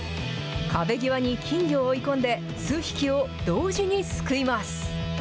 壁際に金魚を追い込んで、数匹を同時にすくいます。